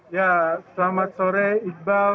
ya selamat sore iqbal